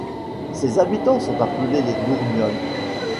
Ses habitants sont appelés les Dourgnols.